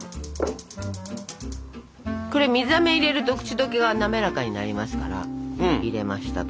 これ水あめを入れると口溶けが滑らかになりますから入れましたと。